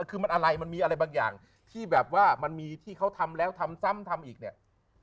คือมันอะไรมันมีอะไรบางอย่างที่แบบว่ามันมีที่เขาทำแล้วทำซ้ำทำอีกเนี่ย